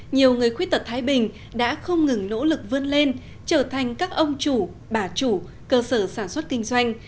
nhiều người khuyết tật thái bình đã không ngừng nỗ lực vươn lên trở thành các ông chủ bà chủ cơ sở sản xuất kinh doanh